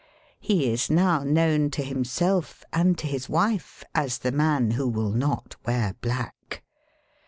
He is now known to himself and to his wife as the man who will not wear black.